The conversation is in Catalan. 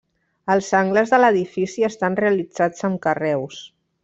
Els angles de l'edifici estan realitzats amb carreus.